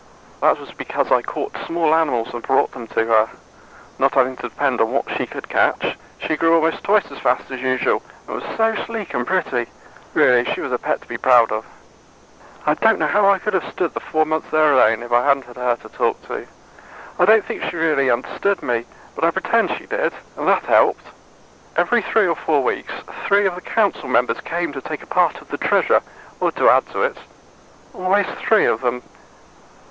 That was because I caught small animals and brought them to her. Not having to depend on what she could catch, she grew almost twice as fast as usual, and was so sleek and pretty. Really, she was a pet to be proud of. I don't know how I could have stood the four months there alone, if I hadn't her to talk to. I don't think she really understood me, but I pretended she did, and that helped. Every three or four weeks, three of the council members came to take a part of the Treasure, or to add to it. Always three of them.